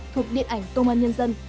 thuộc điện ảnh công an nhân dân